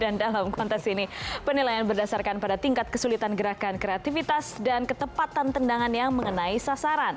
dan dalam kontes ini penilaian berdasarkan pada tingkat kesulitan gerakan kreativitas dan ketepatan tendangan yang mengenai sasaran